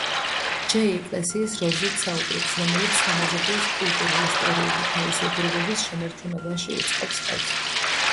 ჯეი ეკლესიის როლზეც საუბრობს, რომელიც სამეზობლოს კულტურულ-ისტორიული თავისებურებების შენარჩუნებაში უწყობს ხელს.